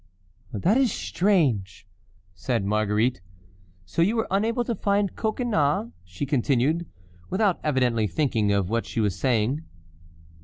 " "That is strange," said Marguerite. "So you were unable to find Coconnas?" she continued, without evidently thinking of what she was saying.